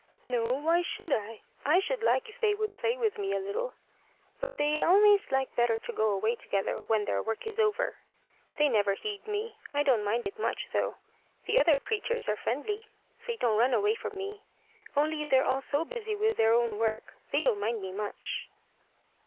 "No! Why should I? I should like if they would play with me a little; but they always like better to go away together when their work is over. They never heed me. I don't mind it much, though. The other creatures are friendly. They don't run away from me. Only they're all so busy with their own work, they don't mind me much."